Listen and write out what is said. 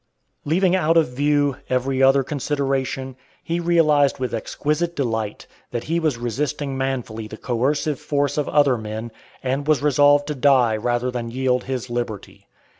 Leaving out of view every other consideration, he realized with exquisite delight, that he was resisting manfully the coercive force of other men, and was resolved to die rather than yield his liberty.